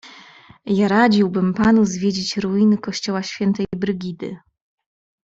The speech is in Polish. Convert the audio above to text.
"Ja radziłbym panu zwiedzić ruiny kościoła świętej Brigidy."